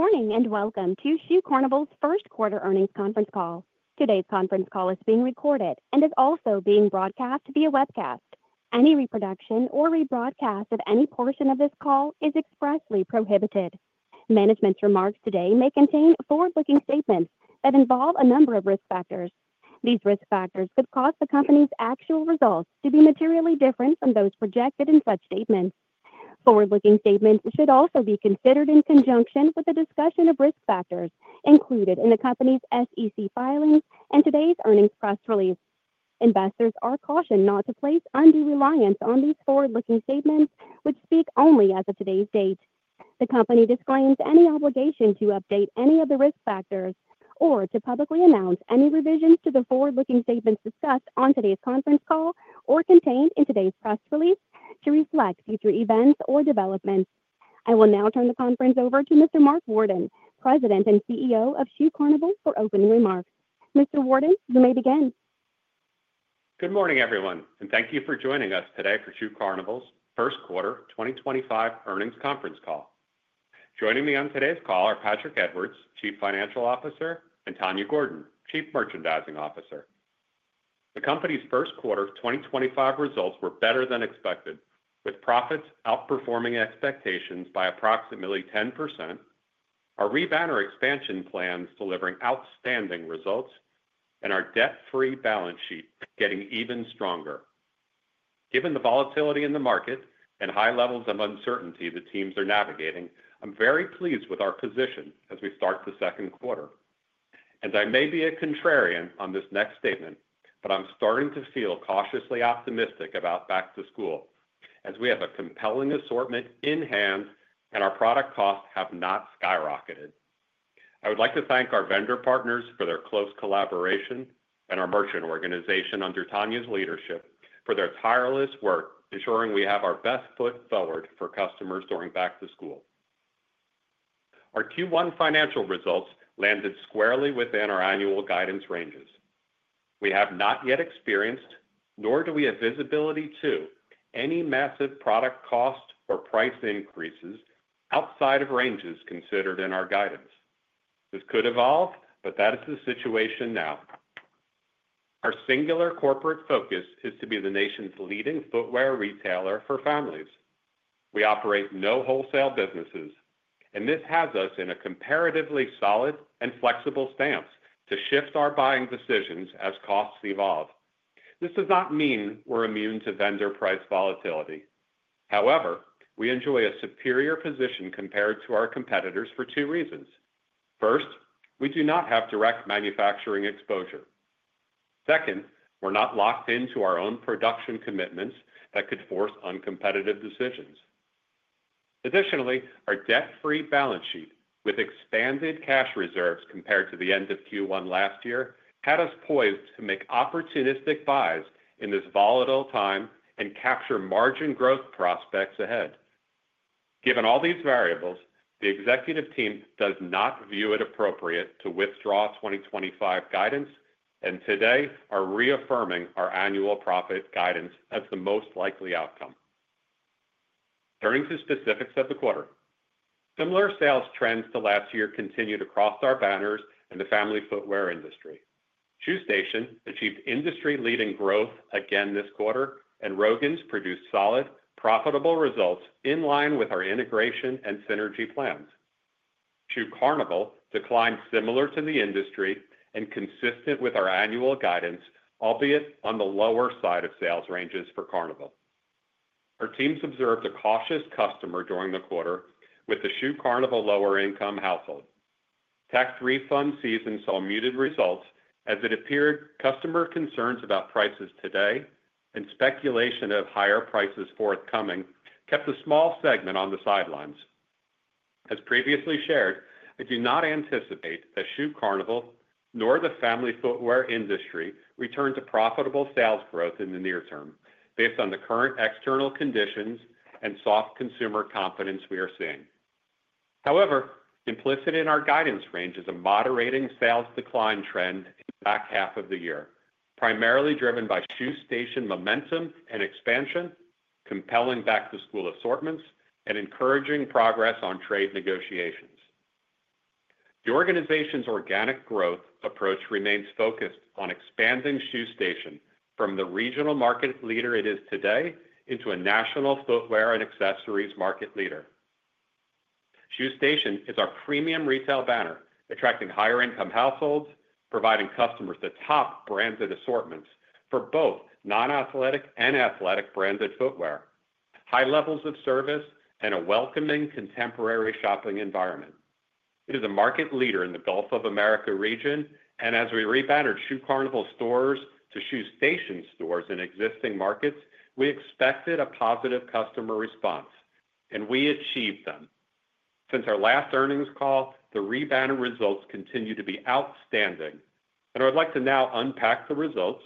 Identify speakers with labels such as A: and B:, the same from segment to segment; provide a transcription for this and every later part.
A: Good morning and welcome to Shoe Carnival's first quarter earnings conference call. Today's conference call is being recorded and is also being broadcast via webcast. Any reproduction or rebroadcast of any portion of this call is expressly prohibited. Management's remarks today may contain forward-looking statements that involve a number of risk factors. These risk factors could cause the company's actual results to be materially different from those projected in such statements. Forward-looking statements should also be considered in conjunction with the discussion of risk factors included in the company's SEC filings and today's earnings press release. Investors are cautioned not to place undue reliance on these forward-looking statements, which speak only as of today's date. The company disclaims any obligation to update any of the risk factors or to publicly announce any revisions to the forward-looking statements discussed on today's conference call or contained in today's press release to reflect future events or developments. I will now turn the conference over to Mr. Mark Worden, President and CEO of Shoe Carnival, for opening remarks. Mr. Worden, you may begin.
B: Good morning, everyone, and thank you for joining us today for Shoe Carnival's first quarter 2025 earnings conference call. Joining me on today's call are Patrick Edwards, Chief Financial Officer, and Tanya Gordon, Chief Merchandising Officer. The company's first quarter 2025 results were better than expected, with profits outperforming expectations by approximately 10%. Our Rebounder expansion plans delivering outstanding results, and our debt-free balance sheet getting even stronger. Given the volatility in the market and high levels of uncertainty the teams are navigating, I'm very pleased with our position as we start the second quarter. I may be a contrarian on this next statement, but I'm starting to feel cautiously optimistic about back to school as we have a compelling assortment in hand and our product costs have not skyrocketed. I would like to thank our vendor partners for their close collaboration and our merchant organization under Tanya's leadership for their tireless work, ensuring we have our best foot forward for customers during back to school. Our Q1 financial results landed squarely within our annual guidance ranges. We have not yet experienced, nor do we have visibility to, any massive product cost or price increases outside of ranges considered in our guidance. This could evolve, but that is the situation now. Our singular corporate focus is to be the nation's leading footwear retailer for families. We operate no wholesale businesses, and this has us in a comparatively solid and flexible stance to shift our buying decisions as costs evolve. This does not mean we're immune to vendor price volatility. However, we enjoy a superior position compared to our competitors for two reasons. First, we do not have direct manufacturing exposure. Second, we're not locked into our own production commitments that could force uncompetitive decisions. Additionally, our debt-free balance sheet with expanded cash reserves compared to the end of Q1 last year had us poised to make opportunistic buys in this volatile time and capture margin growth prospects ahead. Given all these variables, the executive team does not view it appropriate to withdraw 2025 guidance, and today are reaffirming our annual profit guidance as the most likely outcome. Turning to specifics of the quarter, similar sales trends to last year continued across our banners and the family footwear industry. Shoe Station achieved industry-leading growth again this quarter, and Rogan's produced solid, profitable results in line with our integration and synergy plans. Shoe Carnival declined similar to the industry and consistent with our annual guidance, albeit on the lower side of sales ranges for Carnival. Our teams observed a cautious customer during the quarter with the Shoe Carnival lower-income household. Tax refund season saw muted results as it appeared customer concerns about prices today and speculation of higher prices forthcoming kept a small segment on the sidelines. As previously shared, I do not anticipate that Shoe Carnival nor the family footwear industry return to profitable sales growth in the near term based on the current external conditions and soft consumer confidence we are seeing. However, implicit in our guidance range is a moderating sales decline trend in the back half of the year, primarily driven by Shoe Station momentum and expansion, compelling back to school assortments, and encouraging progress on trade negotiations. The organization's organic growth approach remains focused on expanding Shoe Station from the regional market leader it is today into a national footwear and accessories market leader. Shoe Station is our premium retail banner, attracting higher-income households, providing customers the top branded assortments for both non-athletic and athletic branded footwear, high levels of service, and a welcoming contemporary shopping environment. It is a market leader in the Gulf of America region, and as we rebounded Shoe Carnival stores to Shoe Station stores in existing markets, we expected a positive customer response, and we achieved them. Since our last earnings call, the rebound results continue to be outstanding, and I would like to now unpack the results,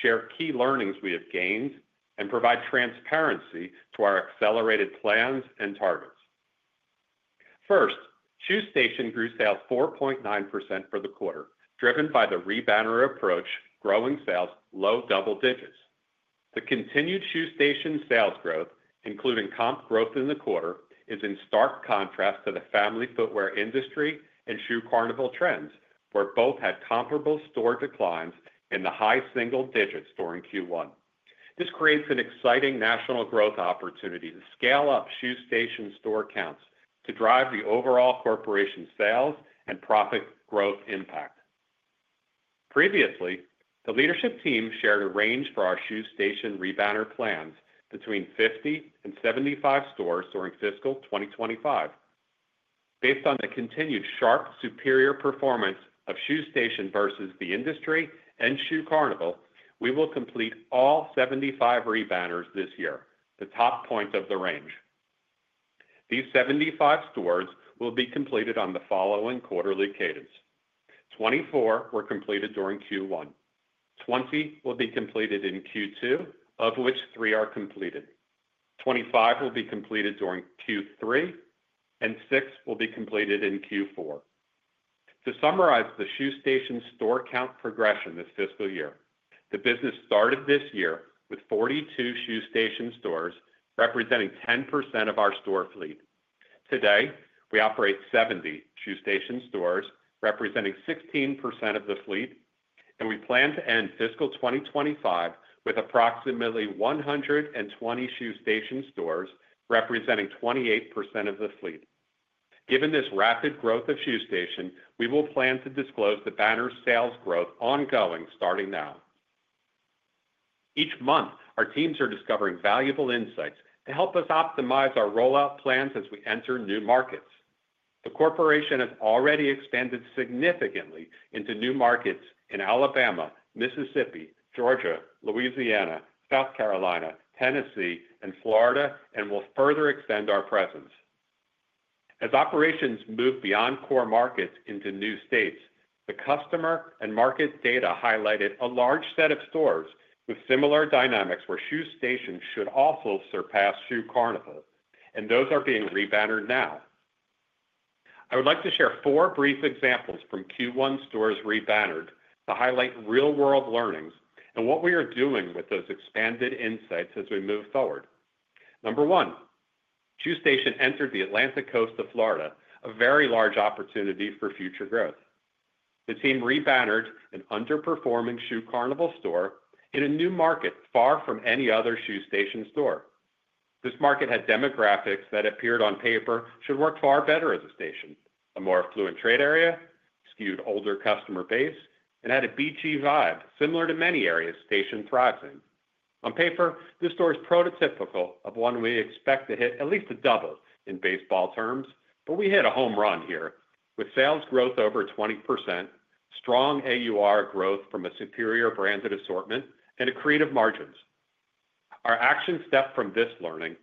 B: share key learnings we have gained, and provide transparency to our accelerated plans and targets. First, Shoe Station grew sales 4.9% for the quarter, driven by the rebounder approach growing sales low double-digits. The continued Shoe Station sales growth, including comp growth in the quarter, is in stark contrast to the family footwear industry and Shoe Carnival trends, where both had comparable store declines in the high single-digits during Q1. This creates an exciting national growth opportunity to scale up Shoe Station store counts to drive the overall corporation sales and profit growth impact. Previously, the leadership team shared a range for our Shoe Station rebounder plans between 50 and 75 stores during fiscal 2025. Based on the continued sharp superior performance of Shoe Station versus the industry and Shoe Carnival, we will complete all 75 rebounders this year, the top point of the range. These 75 stores will be completed on the following quarterly cadence. 24 were completed during Q1. 20 will be completed in Q2, of which three are completed. 25 will be completed during Q3, and 6 will be completed in Q4. To summarize the Shoe Station store count progression this fiscal year, the business started this year with 42 Shoe Station stores representing 10% of our store fleet. Today, we operate 70 Shoe Station stores representing 16% of the fleet, and we plan to end fiscal 2025 with approximately 120 Shoe Station stores representing 28% of the fleet. Given this rapid growth of Shoe Station, we will plan to disclose the banner sales growth ongoing starting now. Each month, our teams are discovering valuable insights to help us optimize our rollout plans as we enter new markets. The corporation has already expanded significantly into new markets in Alabama, Mississippi, Georgia, Louisiana, South Carolina, Tennessee, and Florida, and will further extend our presence. As operations move beyond core markets into new states, the customer and market data highlighted a large set of stores with similar dynamics where Shoe Station should also surpass Shoe Carnival, and those are being rebounded now. I would like to share four brief examples from Q1 stores rebounded to highlight real-world learnings and what we are doing with those expanded insights as we move forward. Number one, Shoe Station entered the Atlantic coast of Florida, a very large opportunity for future growth. The team rebounded an underperforming Shoe Carnival store in a new market far from any other Shoe Station store. This market had demographics that appeared on paper should work far better as a station, a more affluent trade area, skewed older customer base, and had a beachy vibe similar to many areas station thrives in. On paper, this store is prototypical of one we expect to hit at least a double in baseball terms, but we hit a home run here with sales growth over 20%, strong AUR growth from a superior branded assortment, and creative margins. Our action step from this learning,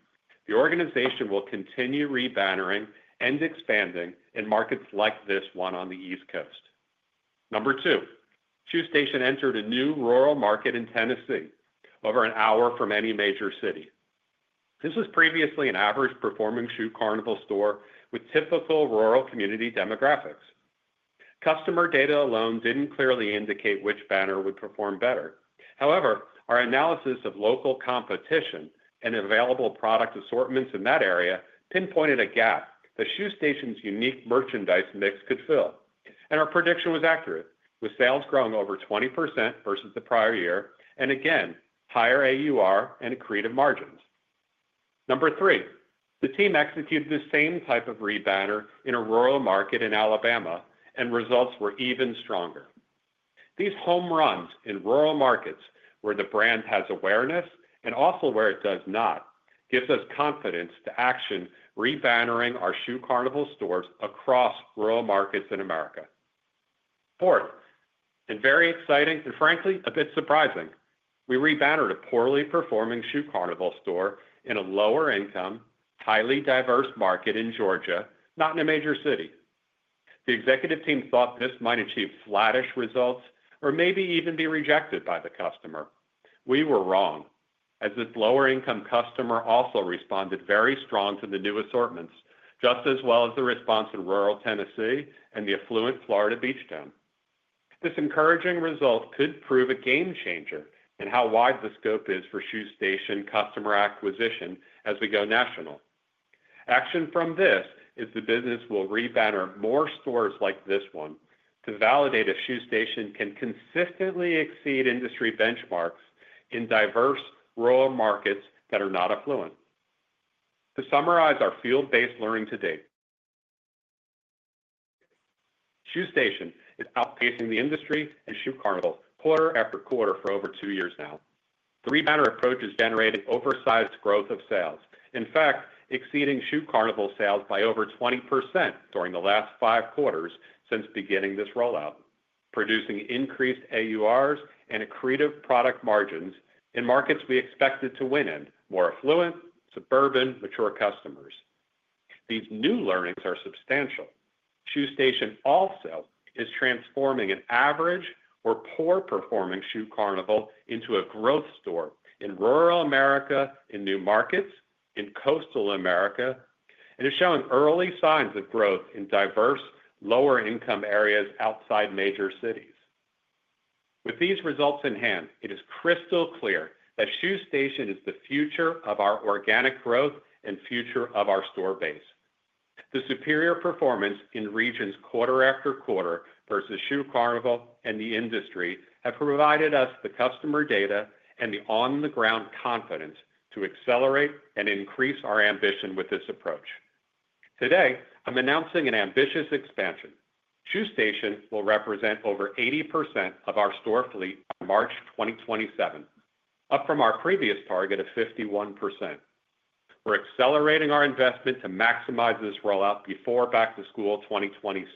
B: the organization will continue rebounding and expanding in markets like this one on the East Coast. Number two, Shoe Station entered a new rural market in Tennessee over an hour from any major city. This was previously an average performing Shoe Carnival store with typical rural community demographics. Customer data alone did not clearly indicate which banner would perform better. However, our analysis of local competition and available product assortments in that area pinpointed a gap that Shoe Station's unique merchandise mix could fill, and our prediction was accurate with sales growing over 20% versus the prior year and again higher AUR and creative margins. Number three, the team executed the same type of rebounder in a rural market in Alabama, and results were even stronger. These home runs in rural markets where the brand has awareness and also where it does not gives us confidence to action rebounding our Shoe Carnival stores across rural markets in America. Fourth, and very exciting and frankly a bit surprising, we rebounded a poorly performing Shoe Carnival store in a lower-income, highly diverse market in Georgia, not in a major city. The executive team thought this might achieve slattish results or maybe even be rejected by the customer. We were wrong as this lower-income customer also responded very strong to the new assortments just as well as the response in rural Tennessee and the affluent Florida beach town. This encouraging result could prove a game changer in how wide the scope is for Shoe Station customer acquisition as we go national. Action from this is the business will rebound more stores like this one to validate a Shoe Station can consistently exceed industry benchmarks in diverse rural markets that are not affluent. To summarize our field-based learning to date, Shoe Station is outpacing the industry and Shoe Carnival quarter-after-quarter for over two years now. The rebounder approach is generating oversized growth of sales, in fact exceeding Shoe Carnival sales by over 20% during the last five quarters since beginning this rollout, producing increased AURs and accretive product margins in markets we expected to win in more affluent, suburban, mature customers. These new learnings are substantial. Shoe Station also is transforming an average or poor performing Shoe Carnival into a growth store in rural America, in new markets, in coastal America, and is showing early signs of growth in diverse lower-income areas outside major cities. With these results in hand, it is crystal clear that Shoe Station is the future of our organic growth and future of our store base. The superior performance in regions quarter-after-quarter versus Shoe Carnival and the industry have provided us the customer data and the on-the-ground confidence to accelerate and increase our ambition with this approach. Today, I'm announcing an ambitious expansion. Shoe Station will represent over 80% of our store fleet by March 2027, up from our previous target of 51%. We're accelerating our investment to maximize this rollout before back to school 2026.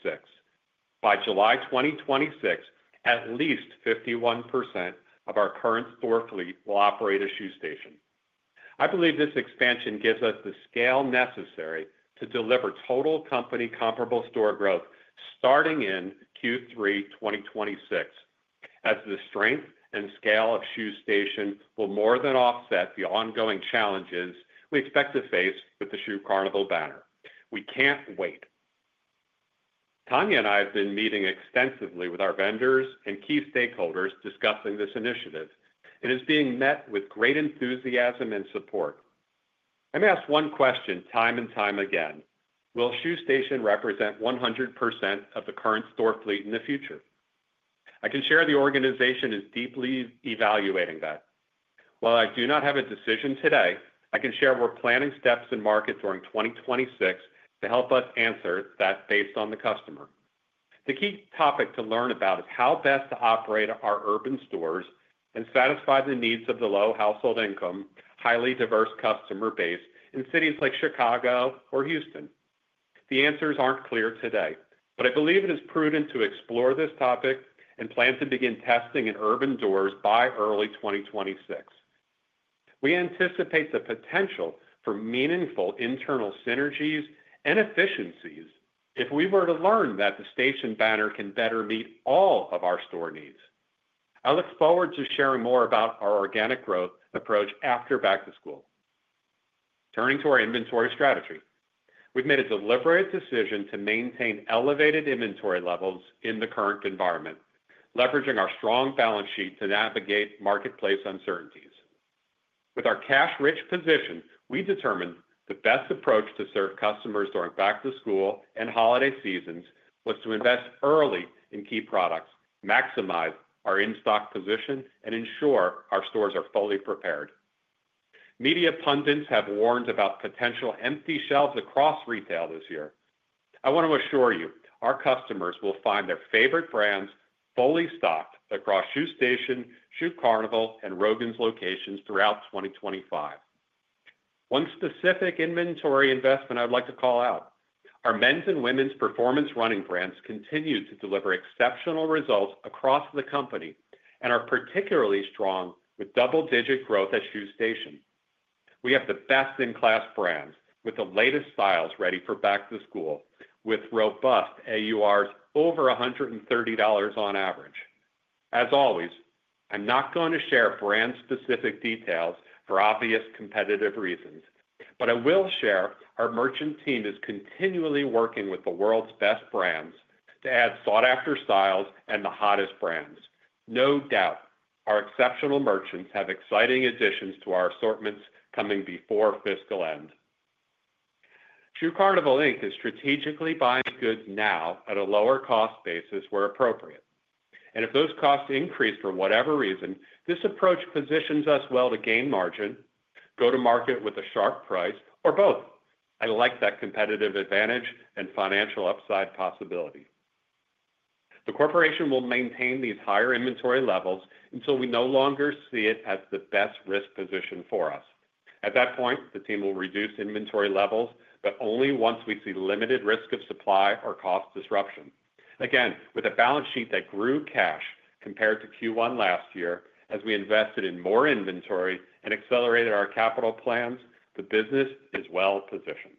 B: By July 2026, at least 51% of our current store fleet will operate a Shoe Station. I believe this expansion gives us the scale necessary to deliver total company comparable store growth starting in Q3 2026, as the strength and scale of Shoe Station will more than offset the ongoing challenges we expect to face with the Shoe Carnival banner. We can't wait. Tanya and I have been meeting extensively with our vendors and key stakeholders discussing this initiative, and it's being met with great enthusiasm and support. I'm asked one question time and time again. Will Shoe Station represent 100% of the current store fleet in the future? I can share the organization is deeply evaluating that. While I do not have a decision today, I can share we're planning steps in market during 2026 to help us answer that based on the customer. The key topic to learn about is how best to operate our urban stores and satisfy the needs of the low household income, highly diverse customer base in cities like Chicago or Houston. The answers aren't clear today, but I believe it is prudent to explore this topic and plan to begin testing in urban doors by early 2026. We anticipate the potential for meaningful internal synergies and efficiencies if we were to learn that the Station banner can better meet all of our store needs. I look forward to sharing more about our organic growth approach after back to school. Turning to our inventory strategy, we've made a deliberate decision to maintain elevated inventory levels in the current environment, leveraging our strong balance sheet to navigate marketplace uncertainties. With our cash-rich position, we determined the best approach to serve customers during back to school and holiday seasons was to invest early in key products, maximize our in-stock position, and ensure our stores are fully prepared. Media pundits have warned about potential empty shelves across retail this year. I want to assure you, our customers will find their favorite brands fully stocked across Shoe Station, Shoe Carnival, and Rogan's locations throughout 2025. One specific inventory investment I'd like to call out. Our men's and women's performance running brands continue to deliver exceptional results across the company and are particularly strong with double-digit growth at Shoe Station. We have the best-in-class brands with the latest styles ready for back to school with robust AURs over $130 on average. As always, I'm not going to share brand-specific details for obvious competitive reasons, but I will share our merchant team is continually working with the world's best brands to add sought-after styles and the hottest brands. No doubt, our exceptional merchants have exciting additions to our assortments coming before fiscal end. Shoe Carnival Inc is strategically buying goods now at a lower cost basis where appropriate, and if those costs increase for whatever reason, this approach positions us well to gain margin, go to market with a sharp price, or both. I like that competitive advantage and financial upside possibility. The corporation will maintain these higher inventory levels until we no longer see it as the best risk position for us. At that point, the team will reduce inventory levels, but only once we see limited risk of supply or cost disruption. Again, with a balance sheet that grew cash compared to Q1 last year, as we invested in more inventory and accelerated our capital plans, the business is well positioned.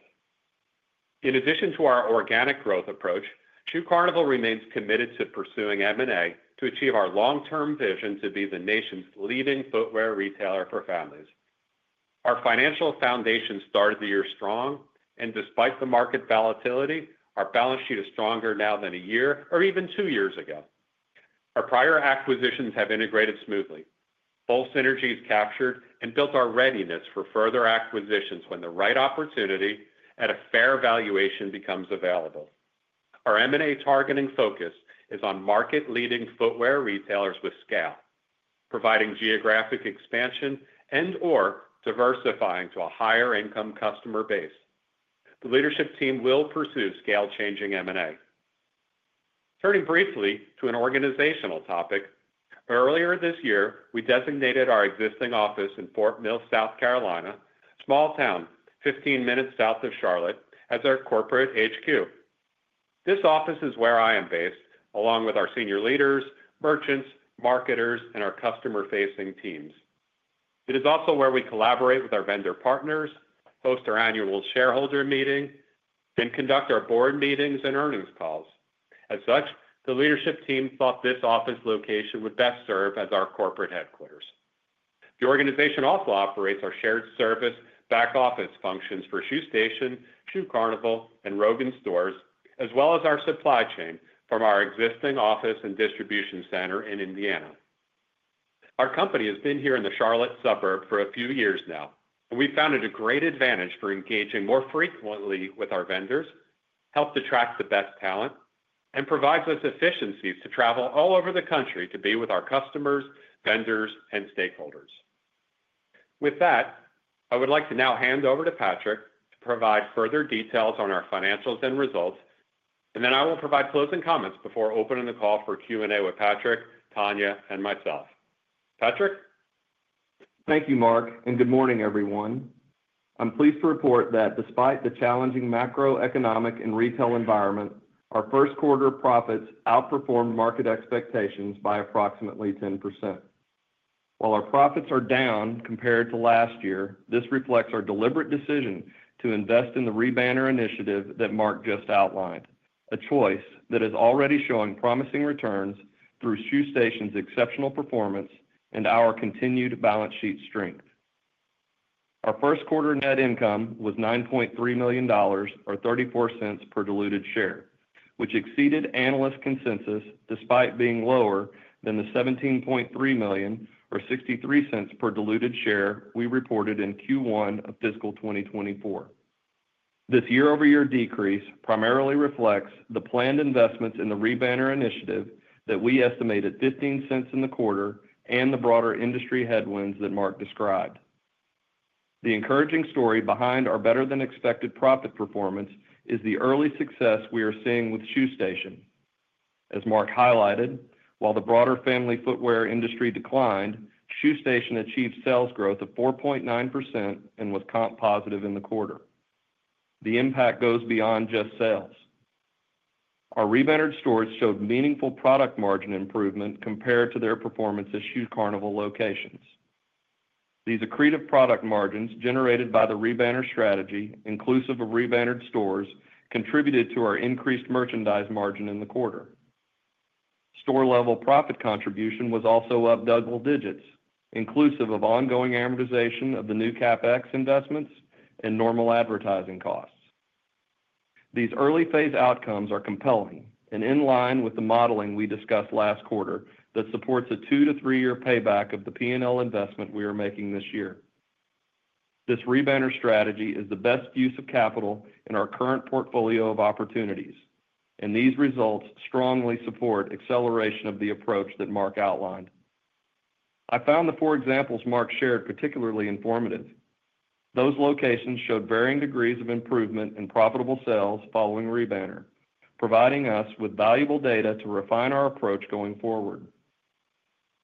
B: In addition to our organic growth approach, Shoe Carnival remains committed to pursuing M&A to achieve our long-term vision to be the nation's leading footwear retailer for families. Our financial foundation started the year strong, and despite the market volatility, our balance sheet is stronger now than a year or even two years ago. Our prior acquisitions have integrated smoothly. Both synergies captured and built our readiness for further acquisitions when the right opportunity at a fair valuation becomes available. Our M&A targeting focus is on market-leading footwear retailers with scale, providing geographic expansion and/or diversifying to a higher-income customer base. The leadership team will pursue scale-changing M&A. Turning briefly to an organizational topic, earlier this year, we designated our existing office in Fort Mill, South Carolina, small town 15 minutes south of Charlotte, as our corporate HQ. This office is where I am based, along with our senior leaders, merchants, marketers, and our customer-facing teams. It is also where we collaborate with our vendor partners, host our annual shareholder meeting, and conduct our board meetings and earnings calls. As such, the leadership team thought this office location would best serve as our corporate headquarters. The organization also operates our shared service back office functions for Shoe Station, Shoe Carnival, and Rogan's stores, as well as our supply chain from our existing office and distribution center in Indiana. Our company has been here in the Charlotte suburb for a few years now, and we found it a great advantage for engaging more frequently with our vendors, help to track the best talent, and provides us efficiencies to travel all over the country to be with our customers, vendors, and stakeholders. With that, I would like to now hand over to Patrick to provide further details on our financials and results, and then I will provide closing comments before opening the call for Q&A with Patrick, Tanya, and myself. Patrick?
C: Thank you, Mark, and good morning, everyone. I'm pleased to report that despite the challenging macroeconomic and retail environment, our first quarter profits outperformed market expectations by approximately 10%. While our profits are down compared to last year, this reflects our deliberate decision to invest in the Rebounder Initiative that Mark just outlined, a choice that is already showing promising returns through Shoe Station's exceptional performance and our continued balance sheet strength. Our first quarter net income was $9.3 million or $0.34 per diluted share, which exceeded analyst consensus despite being lower than the $17.3 million or $0.63 per diluted share we reported in Q1 of fiscal 2024. This year-over-year decrease primarily reflects the planned investments in the Rebounder Initiative that we estimated $0.15 in the quarter and the broader industry headwinds that Mark described. The encouraging story behind our better-than-expected profit performance is the early success we are seeing with Shoe Station. As Mark highlighted, while the broader family footwear industry declined, Shoe Station achieved sales growth of 4.9% and was comp positive in the quarter. The impact goes beyond just sales. Our rebounder stores showed meaningful product margin improvement compared to their performance at Shoe Carnival locations. These accretive product margins generated by the rebounder strategy, inclusive of rebounder stores, contributed to our increased merchandise margin in the quarter. Store-level profit contribution was also up double digits, inclusive of ongoing amortization of the new CapEx investments and normal advertising costs. These early phase outcomes are compelling and in line with the modeling we discussed last quarter that supports a two to three-year payback of the P&L investment we are making this year. This rebounder strategy is the best use of capital in our current portfolio of opportunities, and these results strongly support acceleration of the approach that Mark outlined. I found the four examples Mark shared particularly informative. Those locations showed varying degrees of improvement and profitable sales following Rebounder, providing us with valuable data to refine our approach going forward.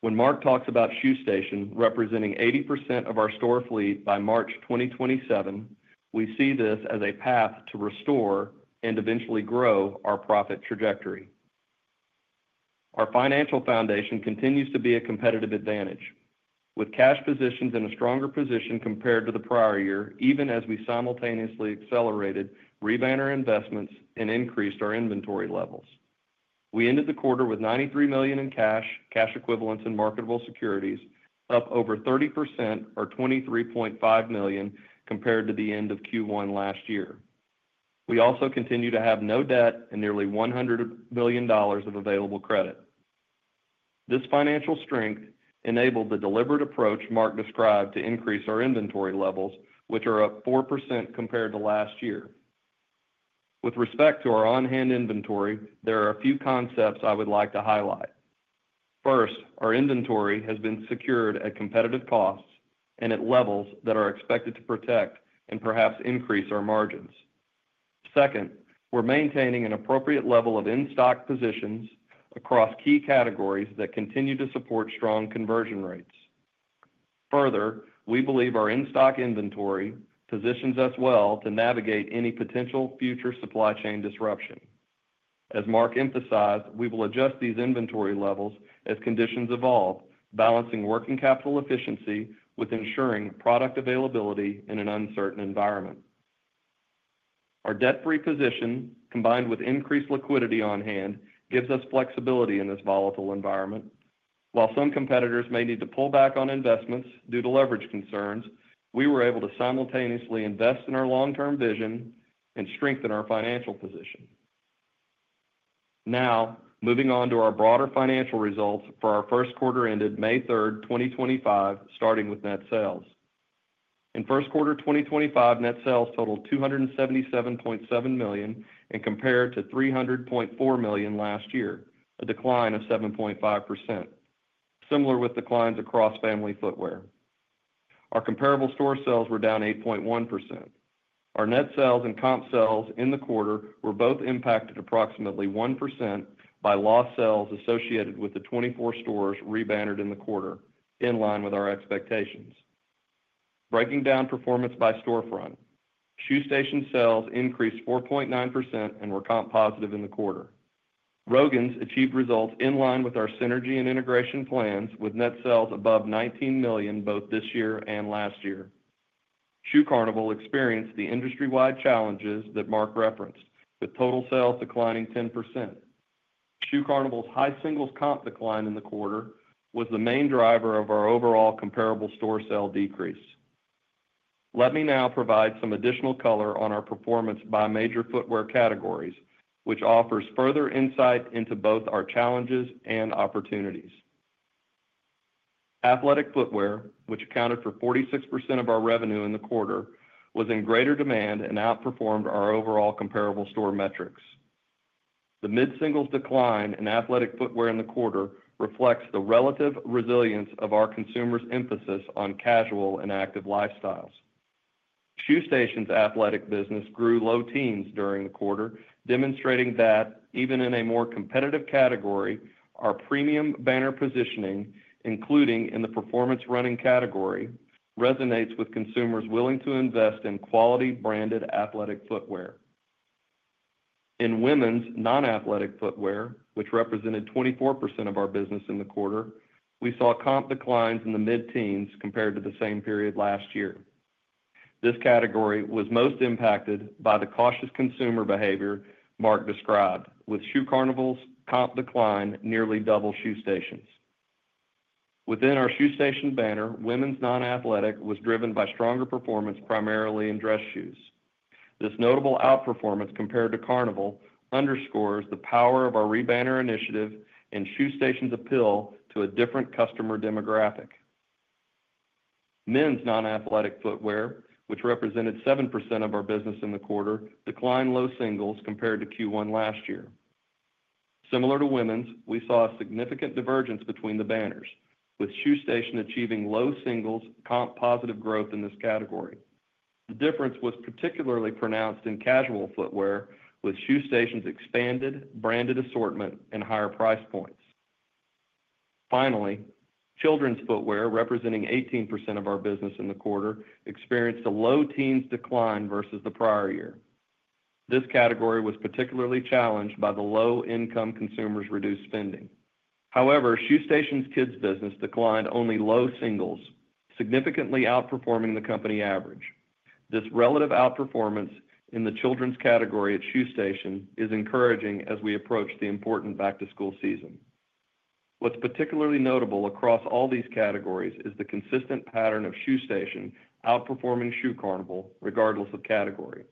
C: When Mark talks about Shoe Station representing 80% of our store fleet by March 2027, we see this as a path to restore and eventually grow our profit trajectory. Our financial foundation continues to be a competitive advantage, with cash positions in a stronger position compared to the prior year, even as we simultaneously accelerated Rebounder investments and increased our inventory levels. We ended the quarter with $93 million in cash, cash equivalents, and marketable securities, up over 30% or $23.5 million compared to the end of Q1 last year. We also continue to have no debt and nearly $100 million of available credit. This financial strength enabled the deliberate approach Mark described to increase our inventory levels, which are up 4% compared to last year. With respect to our on-hand inventory, there are a few concepts I would like to highlight. First, our inventory has been secured at competitive costs and at levels that are expected to protect and perhaps increase our margins. Second, we're maintaining an appropriate level of in-stock positions across key categories that continue to support strong conversion rates. Further, we believe our in-stock inventory positions us well to navigate any potential future supply chain disruption. As Mark emphasized, we will adjust these inventory levels as conditions evolve, balancing working capital efficiency with ensuring product availability in an uncertain environment. Our debt-free position, combined with increased liquidity on hand, gives us flexibility in this volatile environment. While some competitors may need to pull back on investments due to leverage concerns, we were able to simultaneously invest in our long-term vision and strengthen our financial position. Now, moving on to our broader financial results for our first quarter ended May 3rd, 2025, starting with net sales. In first quarter 2025, net sales totaled $277.7 million and compared to $300.4 million last year, a decline of 7.5%, similar with declines across family footwear. Our comparable store sales were down 8.1%. Our net sales and comp sales in the quarter were both impacted approximately 1% by lost sales associated with the 24 stores reboundered in the quarter, in line with our expectations. Breaking down performance by storefront, Shoe Station's sales increased 4.9% and were comp positive in the quarter. Rogan's achieved results in line with our synergy and integration plans, with net sales above $19 million both this year and last year. Shoe Carnival experienced the industry-wide challenges that Mark referenced, with total sales declining 10%. Shoe Carnival's high singles comp decline in the quarter was the main driver of our overall comparable store sale decrease. Let me now provide some additional color on our performance by major footwear categories, which offers further insight into both our challenges and opportunities. Athletic footwear, which accounted for 46% of our revenue in the quarter, was in greater demand and outperformed our overall comparable store metrics. The mid-singles decline in athletic footwear in the quarter reflects the relative resilience of our consumers' emphasis on casual and active lifestyles. Shoe Station's athletic business grew low teens during the quarter, demonstrating that even in a more competitive category, our premium banner positioning, including in the performance running category, resonates with consumers willing to invest in quality branded athletic footwear. In women's non-athletic footwear, which represented 24% of our business in the quarter, we saw comp declines in the mid-teens compared to the same period last year. This category was most impacted by the cautious consumer behavior Mark described, with Shoe Carnival's comp decline nearly double Shoe Station's. Within our Shoe Station banner, women's non-athletic was driven by stronger performance primarily in dress shoes. This notable outperformance compared to Carnival underscores the power of our Rebounder Initiative and Shoe Station's appeal to a different customer demographic. Men's non-athletic footwear, which represented 7% of our business in the quarter, declined low singles compared to Q1 last year. Similar to women's, we saw a significant divergence between the banners, with Shoe Station achieving low singles comp positive growth in this category. The difference was particularly pronounced in casual footwear, with Shoe Station's expanded branded assortment and higher price points. Finally, children's footwear, representing 18% of our business in the quarter, experienced a low teens decline versus the prior year. This category was particularly challenged by the low-income consumers' reduced spending. However, Shoe Station's kids' business declined only low singles, significantly outperforming the company average. This relative outperformance in the children's category at Shoe Station is encouraging as we approach the important back-to-school season. What's particularly notable across all these categories is the consistent pattern of Shoe Station outperforming Shoe Carnival regardless of category.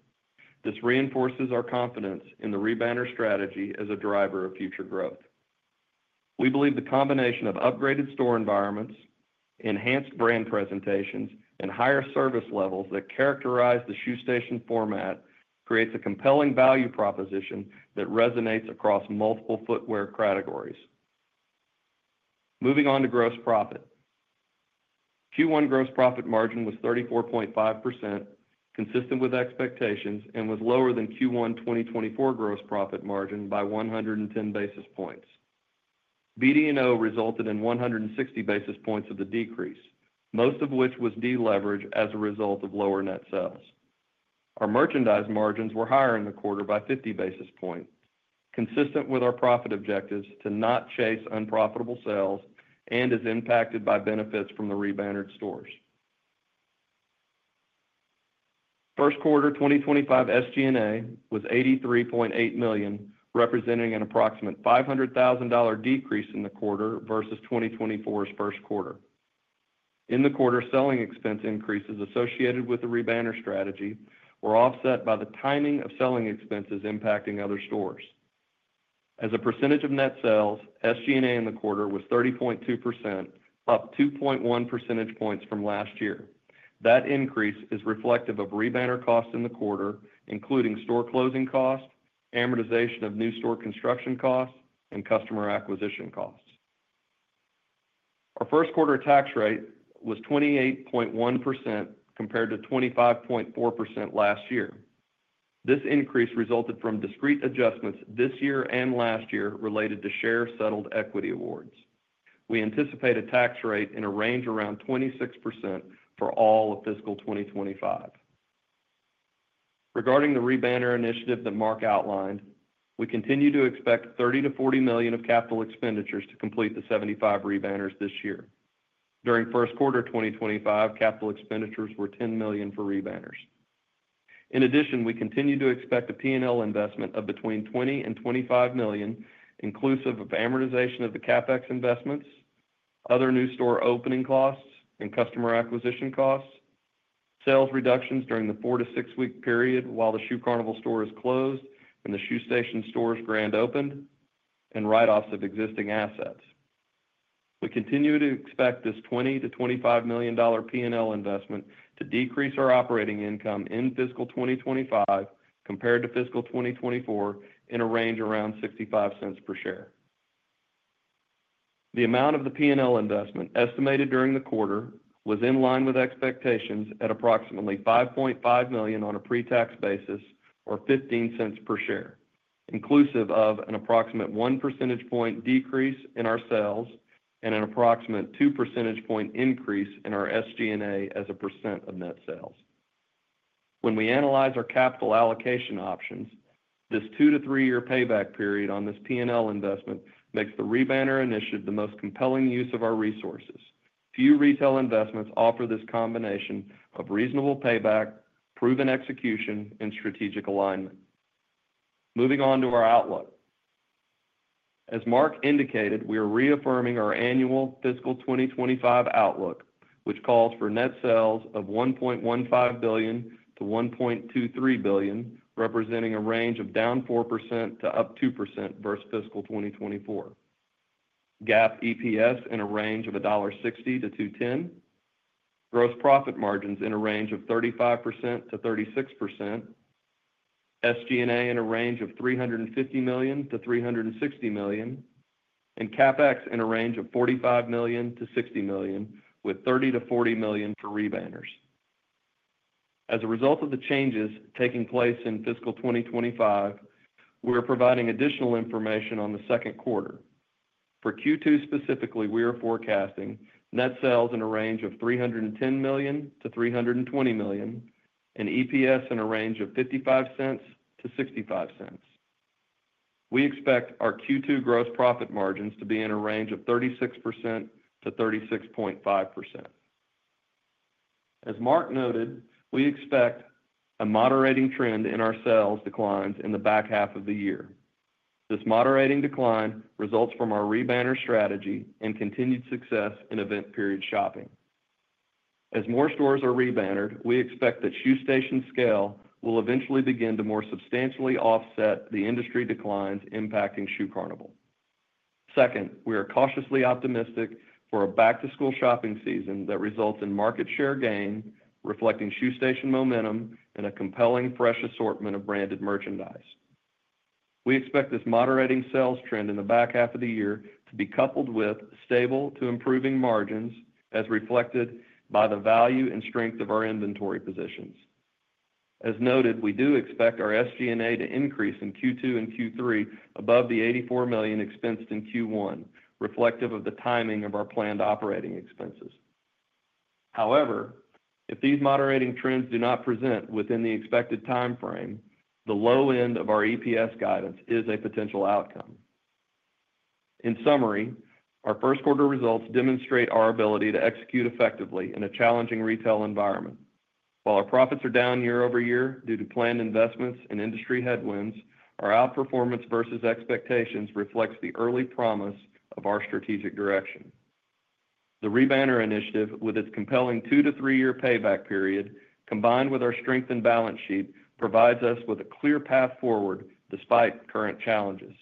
C: This reinforces our confidence in the rebounder strategy as a driver of future growth. We believe the combination of upgraded store environments, enhanced brand presentations, and higher service levels that characterize the Shoe Station format creates a compelling value proposition that resonates across multiple footwear categories. Moving on to gross profit. Q1 gross profit margin was 34.5%, consistent with expectations, and was lower than Q1 2024 gross profit margin by 110 basis points. BD&O resulted in 160 basis points of the decrease, most of which was deleveraged as a result of lower net sales. Our merchandise margins were higher in the quarter by 50 basis points, consistent with our profit objectives to not chase unprofitable sales and as impacted by benefits from the rebounder stores. First quarter 2025 SG&A was $83.8 million, representing an approximate $500,000 decrease in the quarter versus 2024's first quarter. In the quarter, selling expense increases associated with the rebounder strategy were offset by the timing of selling expenses impacting other stores. As a percentage of net sales, SG&A in the quarter was 30.2%, up 2.1 percentage points from last year. That increase is reflective of rebounder costs in the quarter, including store closing costs, amortization of new store construction costs, and customer acquisition costs. Our first quarter tax rate was 28.1% compared to 25.4% last year. This increase resulted from discreet adjustments this year and last year related to share-settled equity awards. We anticipate a tax rate in a range around 26% for all of fiscal 2025. Regarding the Rebounder Initiative that Mark outlined, we continue to expect $30 million-$40 million of capital expenditures to complete the 75 rebounders this year. During first quarter 2025, capital expenditures were $10 million for rebounders. In addition, we continue to expect a P&L investment of between $20 million and $25 million, inclusive of amortization of the CapEx investments, other new store opening costs, and customer acquisition costs, sales reductions during the four to six-week period while the Shoe Carnival store is closed and the Shoe Station stores grand opened, and write-offs of existing assets. We continue to expect this $20 million-$25 million P&L investment to decrease our operating income in fiscal 2025 compared to fiscal 2024 in a range around $0.65 per share. The amount of the P&L investment estimated during the quarter was in line with expectations at approximately $5.5 million on a pre-tax basis or $0.15 per share, inclusive of an approximate 1 percentage point decrease in our sales and an approximate 2 percentage point increase in our SG&A as a percent of net sales. When we analyze our capital allocation options, this two- to three-year payback period on this P&L investment makes the Rebounder Initiative the most compelling use of our resources. Few retail investments offer this combination of reasonable payback, proven execution, and strategic alignment. Moving on to our outlook. As Mark indicated, we are reaffirming our annual fiscal 2025 outlook, which calls for net sales of $1.15 billion-$1.23 billion, representing a range of down 4% to up 2% versus fiscal 2024. GAAP EPS in a range of $1.60-$2.10, gross profit margins in a range of 35%-36%, SG&A in a range of $350 million-$360 million, and CapEx in a range of $45 million-$60 million, with $30 million-$40 million for rebounders. As a result of the changes taking place in fiscal 2025, we are providing additional information on the second quarter. For Q2 specifically, we are forecasting net sales in a range of $310 million-$320 million, and EPS in a range of $0.55-$0.65. We expect our Q2 gross profit margins to be in a range of 36%-36.5%. As Mark noted, we expect a moderating trend in our sales declines in the back half of the year. This moderating decline results from our rebounder strategy and continued success in event-period shopping. As more stores are reboundered, we expect that Shoe Station scale will eventually begin to more substantially offset the industry declines impacting Shoe Carnival. Second, we are cautiously optimistic for a back-to-school shopping season that results in market share gain, reflecting Shoe Station momentum and a compelling fresh assortment of branded merchandise. We expect this moderating sales trend in the back half of the year to be coupled with stable to improving margins as reflected by the value and strength of our inventory positions. As noted, we do expect our SG&A to increase in Q2 and Q3 above the $84 million expensed in Q1, reflective of the timing of our planned operating expenses. However, if these moderating trends do not present within the expected timeframe, the low end of our EPS guidance is a potential outcome. In summary, our first quarter results demonstrate our ability to execute effectively in a challenging retail environment. While our profits are down year-over-year due to planned investments and industry headwinds, our outperformance versus expectations reflects the early promise of our strategic direction. The Rebounder Initiative, with its compelling two to three-year payback period, combined with our strength and balance sheet, provides us with a clear path forward despite current challenges.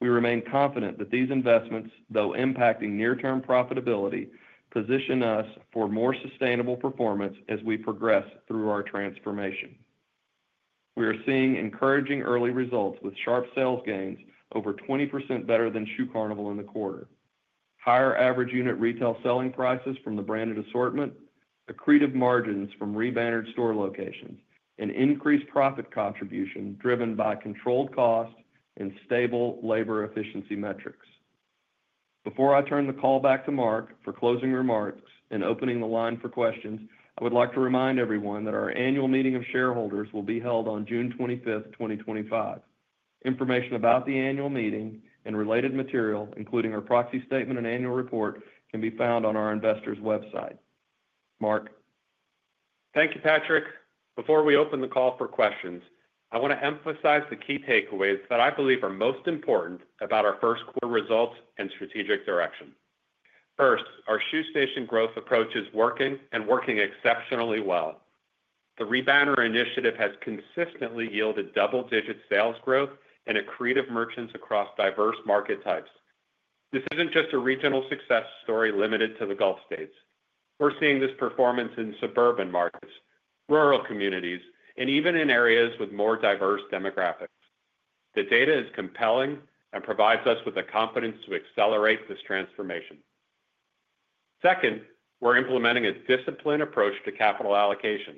C: We remain confident that these investments, though impacting near-term profitability, position us for more sustainable performance as we progress through our transformation. We are seeing encouraging early results with sharp sales gains over 20% better than Shoe Carnival in the quarter. Higher average unit retail selling prices from the branded assortment, accretive margins from reboundered store locations, and increased profit contribution driven by controlled cost and stable labor efficiency metrics. Before I turn the call back to Mark for closing remarks and opening the line for questions, I would like to remind everyone that our annual meeting of shareholders will be held on June 25th, 2025. Information about the annual meeting and related material, including our proxy statement and annual report, can be found on our investors' website. Mark.
B: Thank you, Patrick. Before we open the call for questions, I want to emphasize the key takeaways that I believe are most important about our first quarter results and strategic direction. First, our Shoe Station growth approach is working and working exceptionally well. The Rebounder Initiative has consistently yielded double-digit sales growth and accretive merchants across diverse market types. This isn't just a regional success story limited to the Gulf States. We're seeing this performance in suburban markets, rural communities, and even in areas with more diverse demographics. The data is compelling and provides us with the confidence to accelerate this transformation. Second, we're implementing a disciplined approach to capital allocation.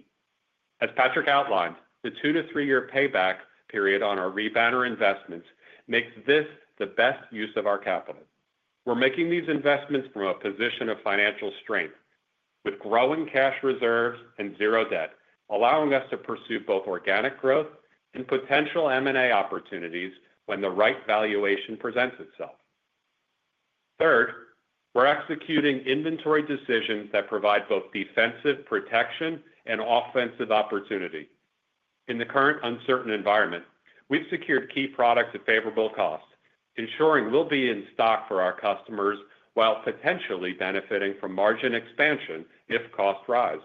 B: As Patrick outlined, the two to three-year payback period on our rebounder investments makes this the best use of our capital. We're making these investments from a position of financial strength, with growing cash reserves and zero debt, allowing us to pursue both organic growth and potential M&A opportunities when the right valuation presents itself. Third, we're executing inventory decisions that provide both defensive protection and offensive opportunity. In the current uncertain environment, we've secured key products at favorable costs, ensuring we'll be in stock for our customers while potentially benefiting from margin expansion if costs rise.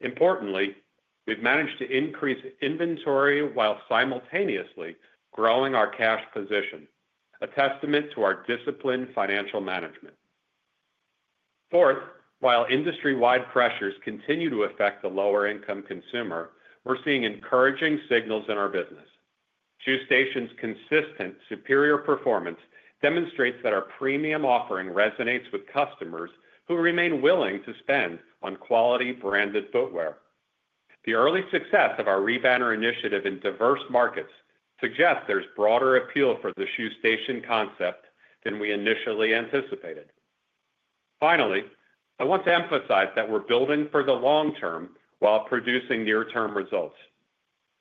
B: Importantly, we've managed to increase inventory while simultaneously growing our cash position, a testament to our disciplined financial management. Fourth, while industry-wide pressures continue to affect the lower-income consumer, we're seeing encouraging signals in our business. Shoe Station's consistent superior performance demonstrates that our premium offering resonates with customers who remain willing to spend on quality branded footwear. The early success of our Rebounder Initiative in diverse markets suggests there is broader appeal for the Shoe Station concept than we initially anticipated. Finally, I want to emphasize that we are building for the long term while producing near-term results.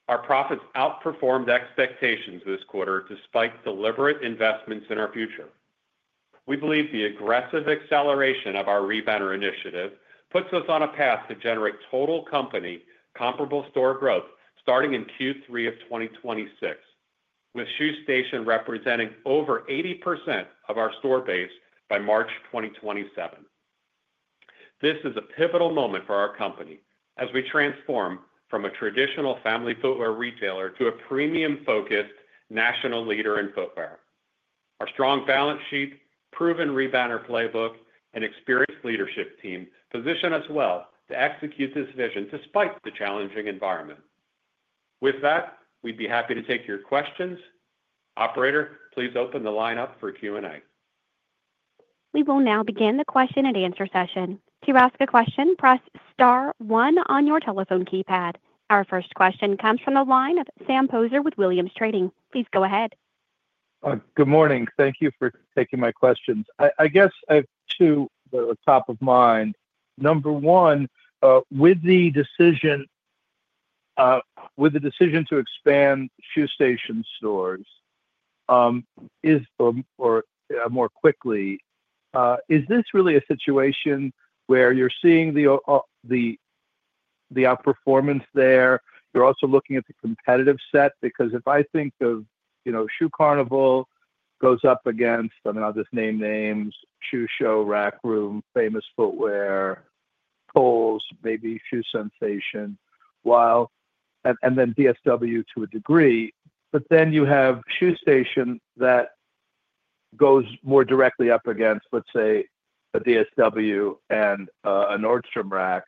B: Our profits outperformed expectations this quarter despite deliberate investments in our future. We believe the aggressive acceleration of our Rebounder Initiative puts us on a path to generate total company comparable store growth starting in Q3 of 2026, with Shoe Station representing over 80% of our store base by March 2027. This is a pivotal moment for our company as we transform from a traditional family footwear retailer to a premium-focused national leader in footwear. Our strong balance sheet, proven rebounder playbook, and experienced leadership team position us well to execute this vision despite the challenging environment. With that, we'd be happy to take your questions. Operator, please open the line up for Q&A.
A: We will now begin the question and answer session. To ask a question, press star one on your telephone keypad. Our first question comes from the line of Sam Poser with Williams Trading. Please go ahead.
D: Good morning. Thank you for taking my questions. I guess I have two that are top of mind. Number one, with the decision to expand Shoe Station stores more quickly, is this really a situation where you're seeing the outperformance there? You're also looking at the competitive set because if I think of Shoe Carnival goes up against, I mean, I'll just name names, Shoe Show, Rack Room, Famous Footwear, Kohl's, maybe Shoe Sensation, and then DSW to a degree, but then you have Shoe Station that goes more directly up against, let's say, a DSW and a Nordstrom Rack.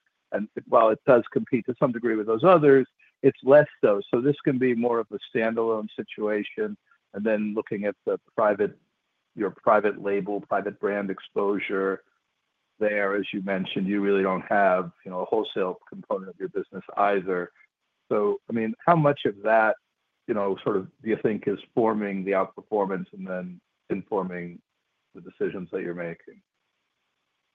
D: While it does compete to some degree with those others, it's less so. This can be more of a standalone situation. Looking at your private label, private brand exposure there, as you mentioned, you really don't have a wholesale component of your business either. I mean, how much of that sort of do you think is forming the outperformance and then informing the decisions that you're making?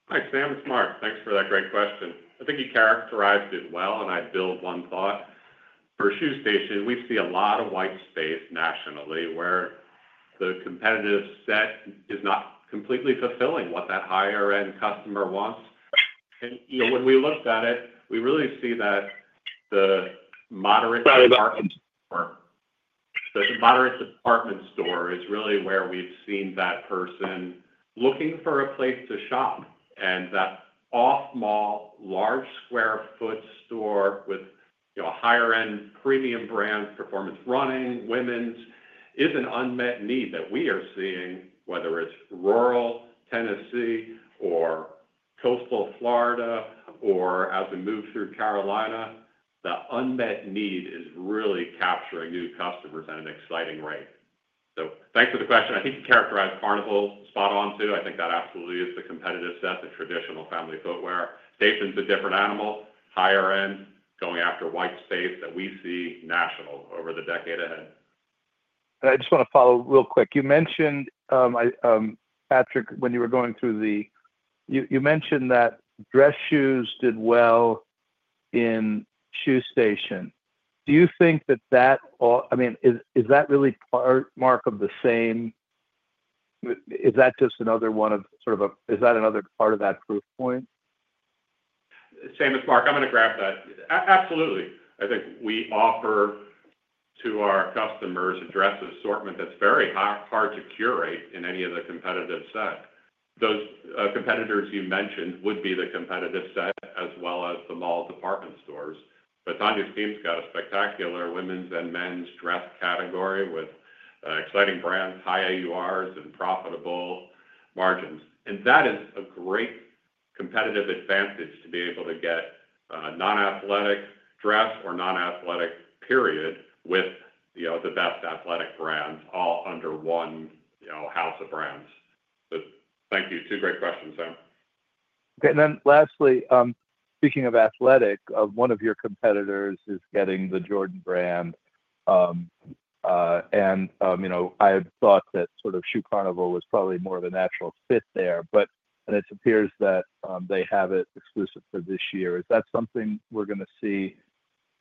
B: Thanks Sam, it's Mark. Thanks for that great question. I think you characterized it well, and I build one thought. For Shoe Station, we see a lot of white space nationally where the competitive set is not completely fulfilling what that higher-end customer wants. When we looked at it, we really see that the moderate department store is really where we've seen that person looking for a place to shop. That off-mall, large sq ft store with a higher-end premium brand performance running women's is an unmet need that we are seeing, whether it's rural Tennessee or coastal Florida or as we move through Carolina, the unmet need is really capturing new customers at an exciting rate. Thanks for the question. I think you characterized Carnival spot on, too. I think that absolutely is the competitive set, the traditional family footwear. Station's a different animal, higher-end, going after white space that we see national over the decade ahead.
D: I just want to follow real quick. You mentioned, Patrick, when you were going through the—you mentioned that dress shoes did well in Shoe Station. Do you think that that—I mean, is that really part, Mark, of the same? Is that just another one of sort of a—is that another part of that proof point?
B: Sam it's Mark. I'm going to grab that. Absolutely. I think we offer to our customers a dress assortment that's very hard to curate in any of the competitive set. Those competitors you mentioned would be the competitive set as well as the mall department stores. But Tanya's team's got a spectacular women's and men's dress category with exciting brands, high AURs, and profitable margins. That is a great competitive advantage to be able to get non-athletic dress or non-athletic period with the best athletic brands all under one house of brands. Thank you. Two great questions, Sam.
D: Okay. Lastly, speaking of athletic, one of your competitors is getting the Jordan Brand. I had thought that sort of Shoe Carnival was probably more of a natural fit there, but it appears that they have it exclusive for this year. Is that something we're going to see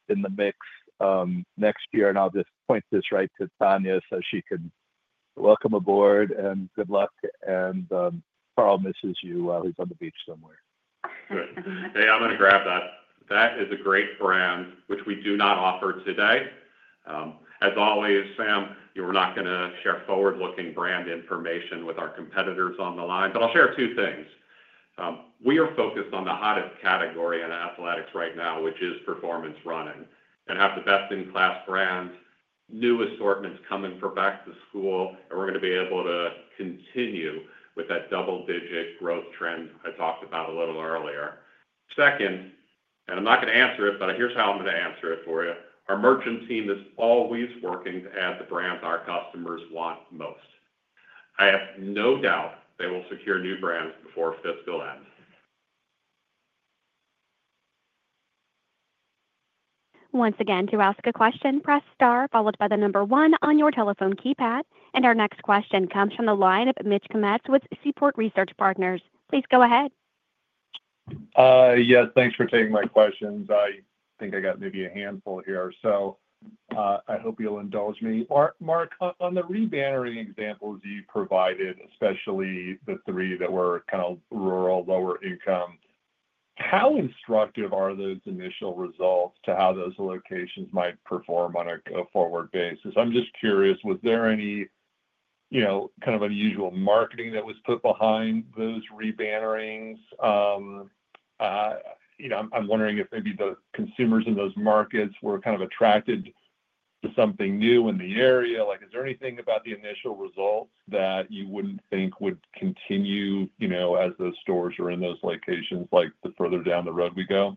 D: in the mix next year? I'll just point this right to Tanya so she can welcome aboard. Good luck. Carl misses you while he's on the beach somewhere.
B: Hey, I'm going to grab that. That is a great brand, which we do not offer today. As always, Sam, you're not going to share forward-looking brand information with our competitors on the line, but I'll share two things. We are focused on the hottest category in athletics right now, which is performance running, and have the best-in-class brands, new assortments coming for back to school, and we're going to be able to continue with that double-digit growth trend I talked about a little earlier. Second, and I'm not going to answer it, but here's how I'm going to answer it for you. Our merchant team is always working to add the brands our customers want most. I have no doubt they will secure new brands before fiscal end.
A: Once again, to ask a question, press star, followed by the number one on your telephone keypad. Our next question comes from the line of Mitch Kummetz with Seaport Research Partners. Please go ahead.
E: Yes, thanks for taking my questions. I think I got maybe a handful here. I hope you'll indulge me. Mark, on the rebounder examples you provided, especially the three that were kind of rural, lower-income, how instructive are those initial results to how those locations might perform on a forward basis? I'm just curious, was there any kind of unusual marketing that was put behind those reboundings? I'm wondering if maybe the consumers in those markets were kind of attracted to something new in the area. Is there anything about the initial results that you wouldn't think would continue as those stores are in those locations the further down the road we go?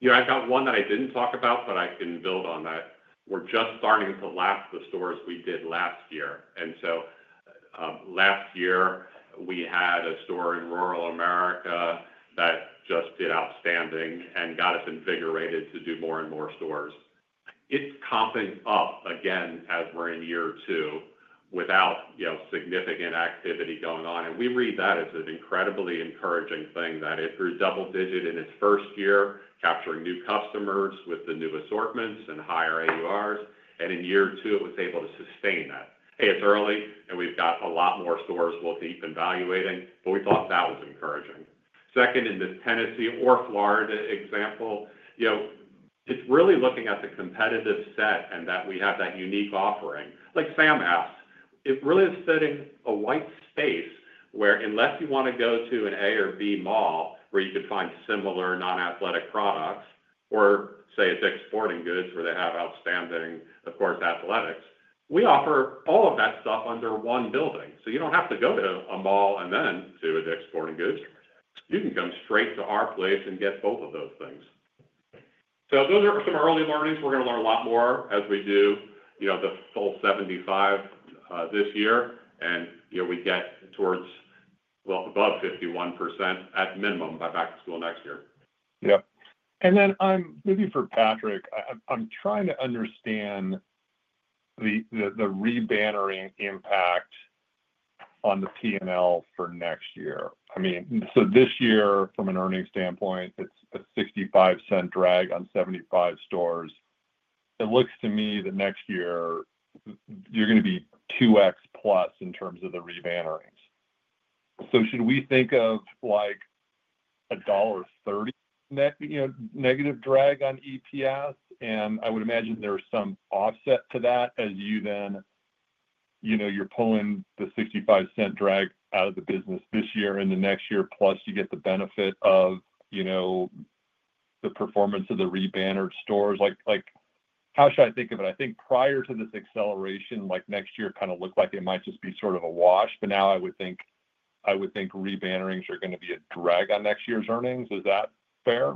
B: Yeah, I've got one that I didn't talk about, but I can build on that. We're just starting to lap the stores we did last year. Last year, we had a store in rural America that just did outstanding and got us invigorated to do more and more stores. It's comping up again as we're in year two without significant activity going on. We read that as an incredibly encouraging thing that it grew double-digit in its first year, capturing new customers with the new assortments and higher AURs. In year two, it was able to sustain that. Hey, it's early, and we've got a lot more stores we'll keep evaluating, but we thought that was encouraging. Second, in the Tennessee or Florida example, it's really looking at the competitive set and that we have that unique offering. Like Sam asked, it really is fitting a white space where unless you want to go to an A or B mall where you could find similar non-athletic products or say a Dick's Sporting Goods where they have outstanding, of course, athletics, we offer all of that stuff under one building. You do not have to go to a mall and then to a Dick's Sporting Goods. You can come straight to our place and get both of those things. Those are some early learnings. We are going to learn a lot more as we do the full 75 this year. We get towards, well, above 51% at minimum by back to school next year.
E: Yep. Maybe for Patrick, I am trying to understand the rebounder impact on the P&L for next year. I mean, this year, from an earnings standpoint, it's a $0.65 drag on 75 stores. It looks to me that next year, you're going to be 2x plus in terms of the rebounderings. Should we think of a $1.30 negative drag on EPS? I would imagine there's some offset to that as you then you're pulling the $0.65 drag out of the business this year and the next year, plus you get the benefit of the performance of the rebounder stores. How should I think of it? I think prior to this acceleration, next year kind of looked like it might just be sort of a wash, but now I would think rebounderings are going to be a drag on next year's earnings. Is that fair?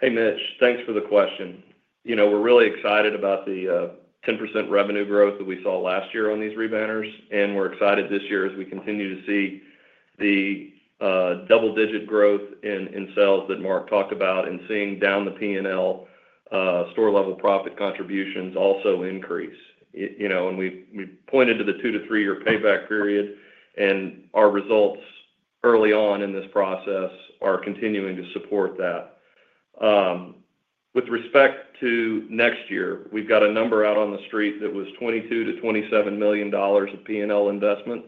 C: Hey, Mitch, thanks for the question. We're really excited about the 10% revenue growth that we saw last year on these rebounders. We're excited this year as we continue to see the double-digit growth in sales that Mark talked about and seeing down the P&L store-level profit contributions also increase. We pointed to the two- to three-year payback period, and our results early on in this process are continuing to support that. With respect to next year, we've got a number out on the street that was $22 million-$27 million of P&L investment,